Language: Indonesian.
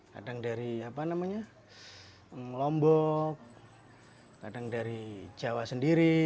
kadang dari lombok kadang dari jawa sendiri